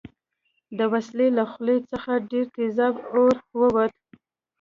د وسلې له خولې څخه ډېر تېز اور ووت